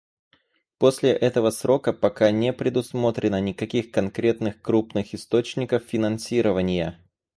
После этого срока пока не предусмотрено никаких конкретных крупных источников финансирования.